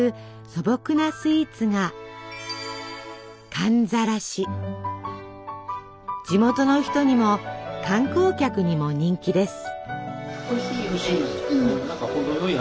素朴なスイーツが地元の人にも観光客にも人気です。